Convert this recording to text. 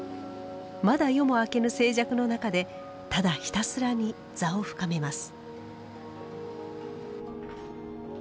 まだ夜も明けぬ静寂の中でただひたすらに坐を深めます。